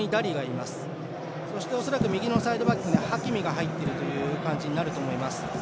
恐らく、右のサイドバックにハキミが入っているという形になると思います。